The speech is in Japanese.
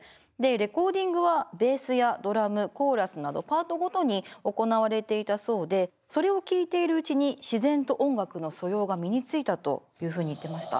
レコーディングはベースやドラムコーラスなどパートごとに行われていたそうでそれを聴いているうちに自然と音楽の素養が身についたというふうに言ってました。